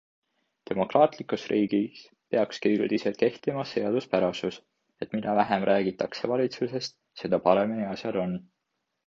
Demokraatlikus riigis peakski üldiselt kehtima seaduspärasus, et mida vähem räägitakse valitsusest, seda paremini asjad on.